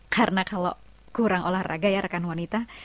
karena kalau kurang olahraga ya rekan wanita